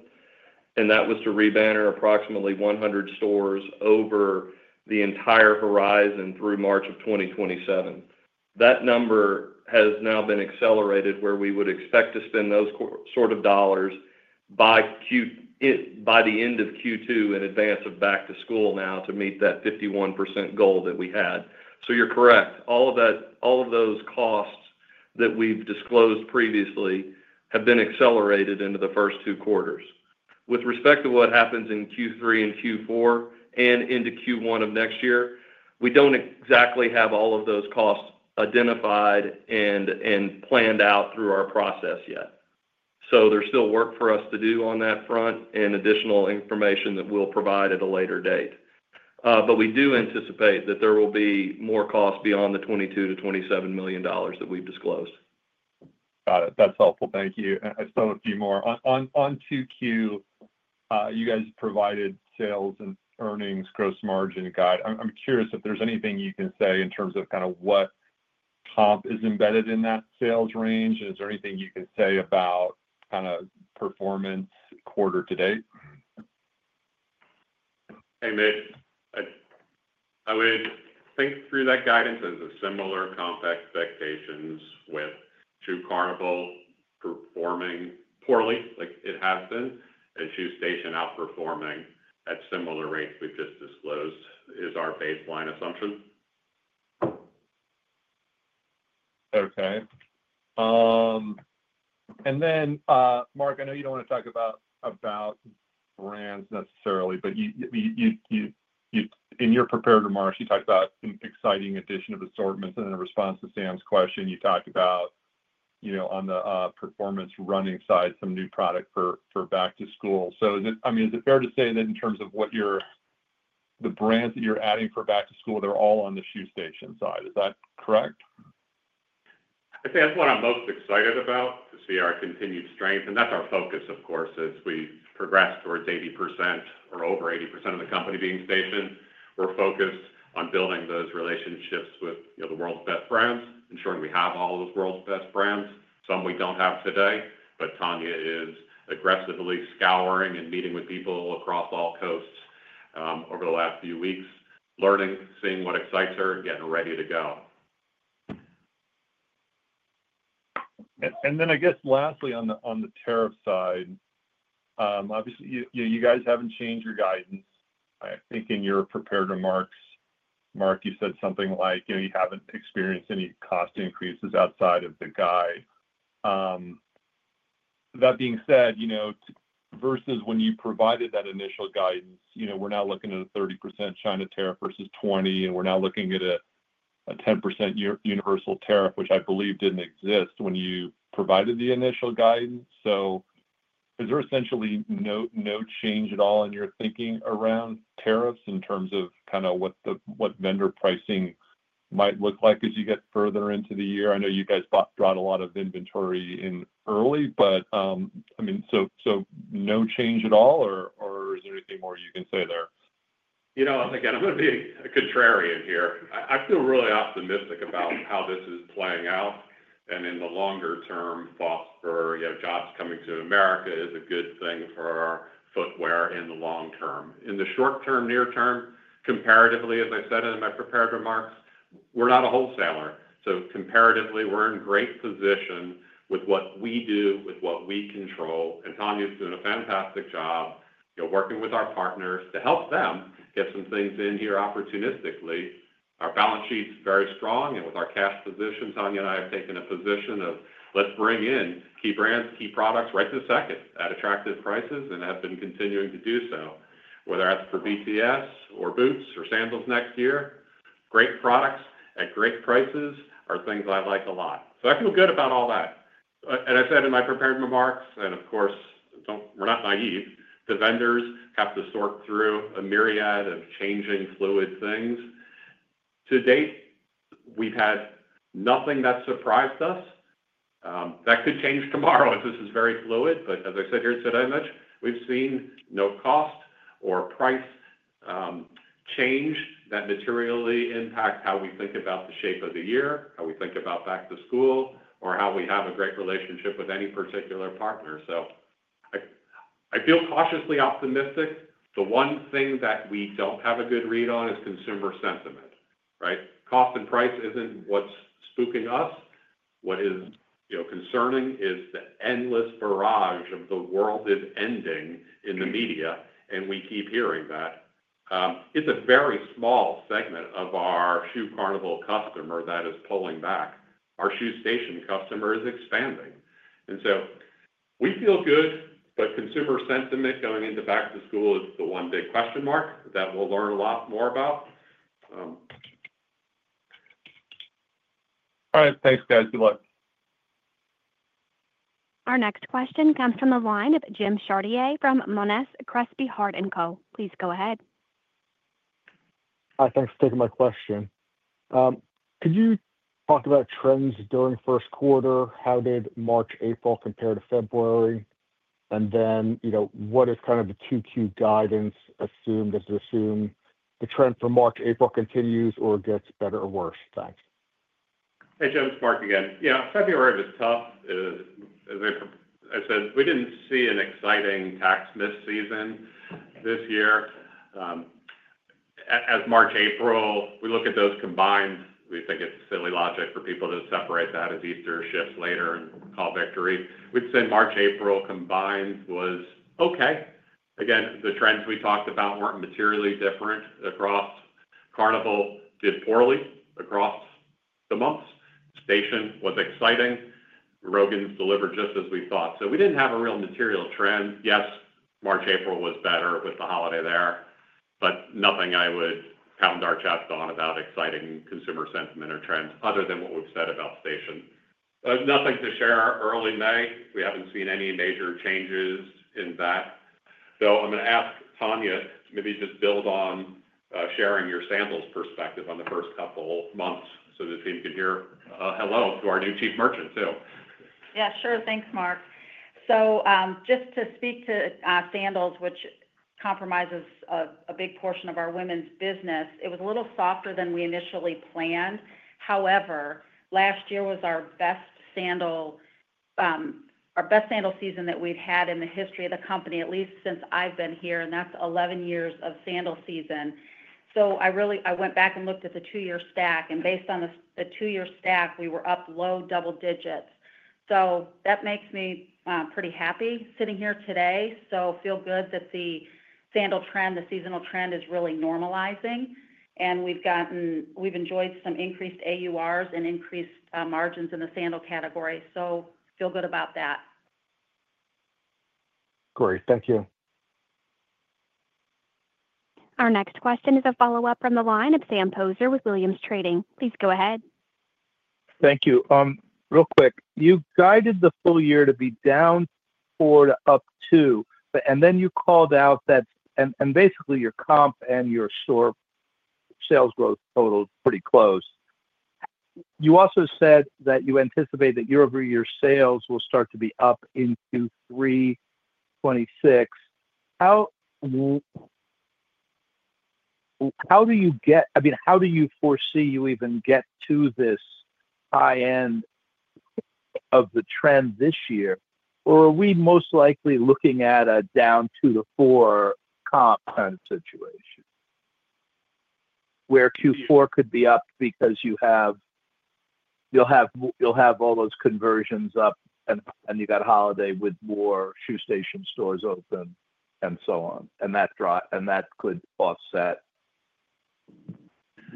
C: and that was to rebounder approximately 100 stores over the entire horizon through March of 2027. That number has now been accelerated where we would expect to spend those sort of dollars by the end of Q2 in advance of back to school now to meet that 51% goal that we had. You're correct. All of those costs that we've disclosed previously have been accelerated into the first two quarters. With respect to what happens in Q3 and Q4 and into Q1 of next year, we do not exactly have all of those costs identified and planned out through our process yet. There is still work for us to do on that front and additional information that we will provide at a later date. We do anticipate that there will be more costs beyond the $22 million-$27 million that we've disclosed.
E: Got it. That is helpful. Thank you. I still have a few more. On Q2, you guys provided sales and earnings, gross margin guide. I am curious if there is anything you can say in terms of kind of what comp is embedded in that sales range, and is there anything you can say about kind of performance quarter-to-date?
B: Hey, Mitch, I would think through that guidance as a similar comp expectations with Shoe Carnival performing poorly like it has been and Shoe Station outperforming at similar rates we've just disclosed is our baseline assumption.
E: Okay. Mark, I know you don't want to talk about brands necessarily, but in your prepared remarks, you talked about an exciting addition of assortments. In response to Sam's question, you talked about on the performance running side, some new product for back to school. I mean, is it fair to say that in terms of the brands that you're adding for back to school, they're all on the Shoe Station side? Is that correct?
B: I think that's what I'm most excited about to see our continued strength. That's our focus, of course, as we progress towards 80% or over 80% of the company being stationed. We're focused on building those relationships with the world's best brands. I'm sure we have all those world's best brands, some we don't have today, but Tanya is aggressively scouring and meeting with people across all coasts over the last few weeks, learning, seeing what excites her, getting ready to go.
E: Lastly, on the tariff side, obviously, you guys haven't changed your guidance. I think in your prepared remarks, Mark, you said something like you haven't experienced any cost increases outside of the guide. That being said, versus when you provided that initial guidance, we're now looking at a 30% China tariff versus 20%, and we're now looking at a 10% universal tariff, which I believe didn't exist when you provided the initial guidance. Is there essentially no change at all in your thinking around tariffs in terms of kind of what vendor pricing might look like as you get further into the year? I know you guys brought a lot of inventory in early, but I mean, no change at all, or is there anything more you can say there?
B: Again, I'm going to be a contrarian here. I feel really optimistic about how this is playing out. In the longer term, thoughts for jobs coming to America is a good thing for our footwear in the long term. In the short term, near term, comparatively, as I said in my prepared remarks, we're not a wholesaler. Comparatively, we're in great position with what we do, with what we control. Tanya's doing a fantastic job working with our partners to help them get some things in here opportunistically. Our balance sheet's very strong. With our cash position, Tanya and I have taken a position of, let's bring in key brands, key products right this second at attractive prices and have been continuing to do so, whether that's for BTS or boots or sandals next year. Great products at great prices are things I like a lot. I feel good about all that. I said in my prepared remarks, of course, we're not naive. The vendors have to sort through a myriad of changing fluid things. To date, we've had nothing that surprised us. That could change tomorrow if this is very fluid. As I said here today, Mitch, we've seen no cost or price change that materially impacts how we think about the shape of the year, how we think about back to school, or how we have a great relationship with any particular partner. I feel cautiously optimistic. The one thing that we don't have a good read on is consumer sentiment, right? Cost and price isn't what's spooking us. What is concerning is the endless barrage of the world is ending in the media, and we keep hearing that. It's a very small segment of our Shoe Carnival customer that is pulling back. Our Shoe Station customer is expanding. I feel good, but consumer sentiment going into back to school is the one big question mark that we'll learn a lot more about.
E: All right. Thanks, guys. Good luck.
A: Our next question comes from the line of Jim Chartier from Monness, Crespi, Hardt & Co. Please go ahead.
F: Hi. Thanks for taking my question. Could you talk about trends during first quarter? How did March, April compare to February? And then what is kind of the Q2 guidance assumed? Does it assume the trend for March, April continues or gets better or worse? Thanks.
B: Hey, James, Mark again. Yeah, February was tough. As I said, we did not see an exciting tax mid-season this year. As March, April, we look at those combined, we think it is silly logic for people to separate that as Easter shifts later and call victory. We would say March, April combined was okay. Again, the trends we talked about were not materially different across. Carnival did poorly across the months. Station was exciting. Rogan's delivered just as we thought. So we did not have a real material trend. Yes, March, April was better with the holiday there, but nothing I would pound our chest on about exciting consumer sentiment or trends other than what we've said about Station. Nothing to share early May. We haven't seen any major changes in that. I'm going to ask Tanya to maybe just build on sharing your sandals perspective on the first couple months so the team can hear hello to our new chief merchant too.
G: Yeah, sure. Thanks, Mark. Just to speak to sandals, which comprises a big portion of our women's business, it was a little softer than we initially planned. However, last year was our best sandal season that we've had in the history of the company, at least since I've been here, and that's 11 years of sandal season. I went back and looked at the two-year stack, and based on the two-year stack, we were up low double digits. That makes me pretty happy sitting here today. I feel good that the sandal trend, the seasonal trend is really normalizing, and we've enjoyed some increased AURs and increased margins in the sandal category. I feel good about that.
F: Great. Thank you.
A: Our next question is a follow-up from the line of Sam Poser with Williams Trading. Please go ahead.
D: Thank you. Real quick, you guided the full year to be down 4% to up 2%, and then you called out that, and basically your comp and your store sales growth totaled pretty close. You also said that you anticipate that year-over-year sales will start to be up into 3.6%. How do you get, I mean, how do you foresee you even get to this high end of the trend this year? Or are we most likely looking at a down 2%-4% comp kind of situation where Q4 could be up because you'll have all those conversions up and you've got a holiday with more Shoe Station stores open and so on, and that could offset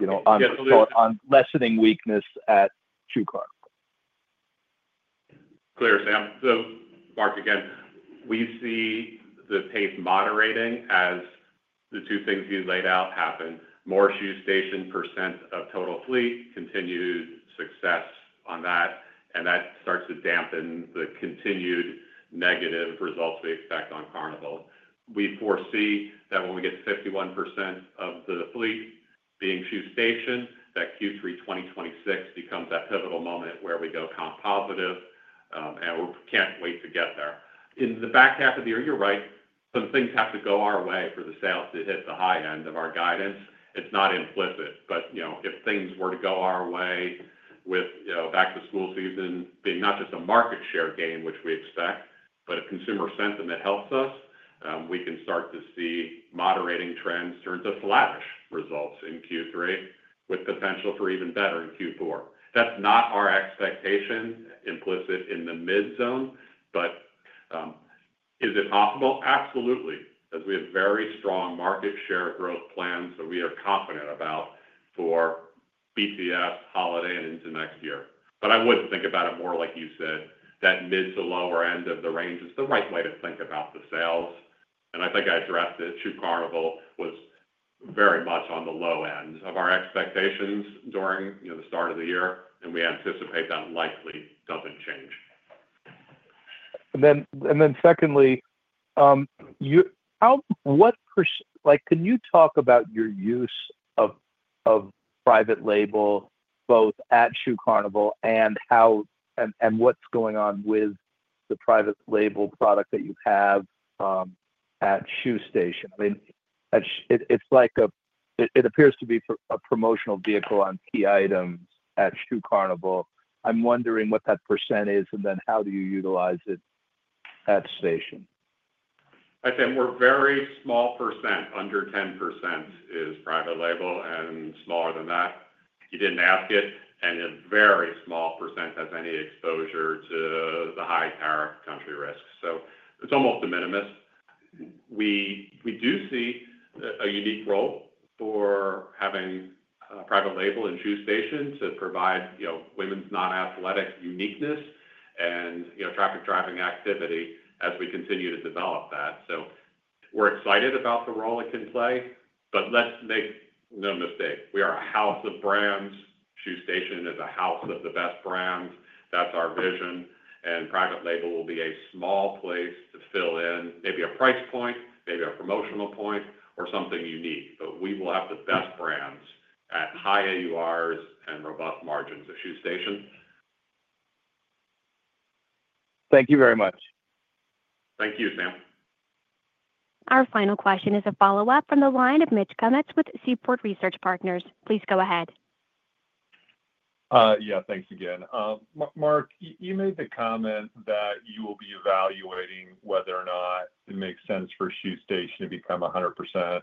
D: on lessening weakness at Shoe Carnival?
B: Clear, Sam. So Mark again, we see the pace moderating as the two things you laid out happen. More Shoe Station percent of total fleet, continued success on that, and that starts to dampen the continued negative results we expect on Carnival. We foresee that when we get to 51% of the fleet being Shoe Station, that Q3 2026 becomes that pivotal moment where we go comp positive, and we can't wait to get there. In the back half of the year, you're right, some things have to go our way for the sales to hit the high end of our guidance. It's not implicit, but if things were to go our way with back to school season being not just a market share gain, which we expect, but a consumer sentiment helps us, we can start to see moderating trends turn to flourish results in Q3 with potential for even better in Q4. That's not our expectation implicit in the mid zone, but is it possible? Absolutely. As we have very strong market share growth plans that we are confident about for BTS holiday and into next year. I would think about it more like you said, that mid to lower end of the range is the right way to think about the sales. I think I addressed it. Shoe Carnival was very much on the low end of our expectations during the start of the year, and we anticipate that likely doesn't change.
D: Secondly, can you talk about your use of private label both at Shoe Carnival and what's going on with the private label product that you have at Shoe Station? I mean, it appears to be a promotional vehicle on key items at Shoe Carnival. I'm wondering what that percent is and then how do you utilize it at Station?
B: I'd say we're very small percent. Under 10% is private label and smaller than that. You didn't ask it, and a very small percent has any exposure to the high tariff country risk. It's almost de minimis. We do see a unique role for having private label and Shoe Station to provide women's non-athletic uniqueness and traffic driving activity as we continue to develop that. We are excited about the role it can play, but let's make no mistake. We are a house of brands. Shoe Station is a house of the best brands. That is our vision. Private label will be a small place to fill in maybe a price point, maybe a promotional point, or something unique. We will have the best brands at high AURs and robust margins of Shoe Station.
D: Thank you very much.
B: Thank you, Sam.
A: Our final question is a follow-up from the line of Mitch Kummetz with Seaport Research Partners. Please go ahead.
E: Yeah, thanks again. Mark, you made the comment that you will be evaluating whether or not it makes sense for Shoe Station to become 100%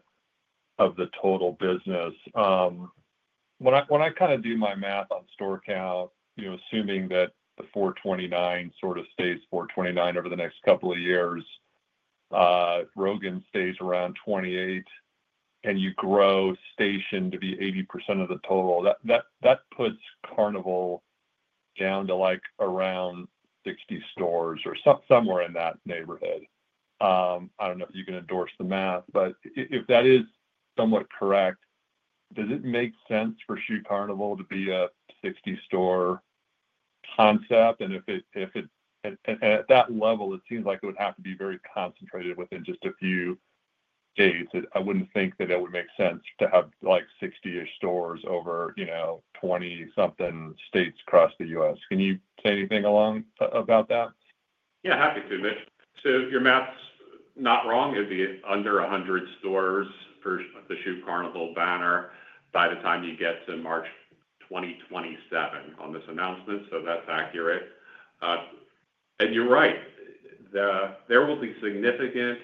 E: of the total business. When I kind of do my math on store count, assuming that the 429 sort of stays 429 over the next couple of years, Rogan stays around 28, and you grow Station to be 80% of the total, that puts Carnival down to like around 60 stores or somewhere in that neighborhood. I don't know if you can endorse the math, but if that is somewhat correct, does it make sense for Shoe Carnival to be a 60-store concept? At that level, it seems like it would have to be very concentrated within just a few days. I wouldn't think that it would make sense to have like 60-ish stores over 20-something states across the U.S. Can you say anything along about that?
B: Yeah, happy to, Mitch. Your math's not wrong. It'd be under 100 stores for the Shoe Carnival banner by the time you get to March 2027 on this announcement. That's accurate. You're right. There will be significant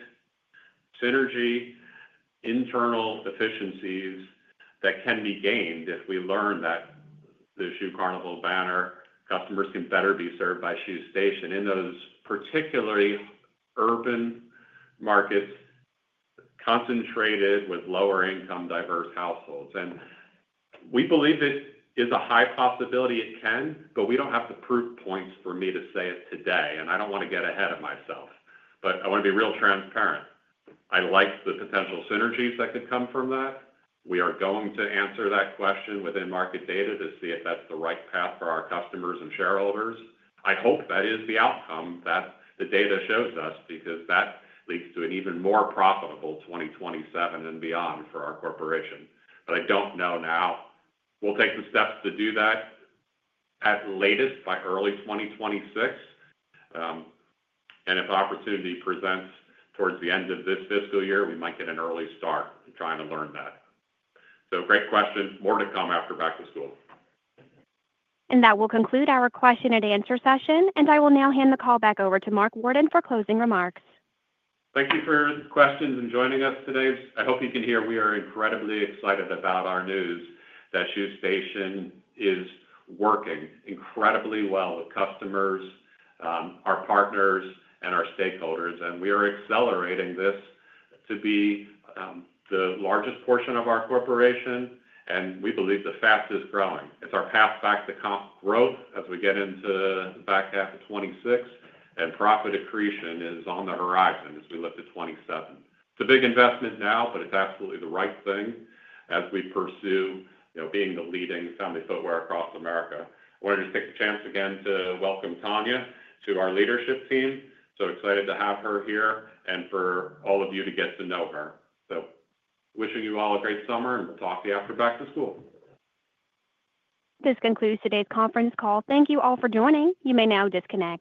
B: synergy, internal efficiencies that can be gained if we learn that the Shoe Carnival banner customers can better be served by Shoe Station in those particularly urban markets concentrated with lower-income diverse households. We believe it is a high possibility it can, but we don't have the proof points for me to say it today. I don't want to get ahead of myself, but I want to be real transparent. I like the potential synergies that could come from that. We are going to answer that question within market data to see if that's the right path for our customers and shareholders. I hope that is the outcome that the data shows us because that leads to an even more profitable 2027 and beyond for our corporation. I do not know now. We will take the steps to do that at latest by early 2026. If opportunity presents towards the end of this fiscal year, we might get an early start in trying to learn that. Great question. More to come after back to school.
A: That will conclude our question and answer session, and I will now hand the call back over to Mark Worden for closing remarks.
B: Thank you for the questions and joining us today. I hope you can hear we are incredibly excited about our news that Shoe Station is working incredibly well with customers, our partners, and our stakeholders. We are accelerating this to be the largest portion of our corporation, and we believe the fastest growing. It is our path back to comp growth as we get into the back half of 2026, and profit accretion is on the horizon as we look to 2027. It is a big investment now, but it is absolutely the right thing as we pursue being the leading family footwear across America. I wanted to take the chance again to welcome Tanya to our leadership team. So excited to have her here and for all of you to get to know her. Wishing you all a great summer, and we will talk to you after back to school.
A: This concludes today's conference call. Thank you all for joining. You may now disconnect.